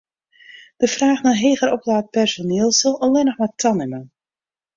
De fraach nei heger oplaat personiel sil allinnich mar tanimme.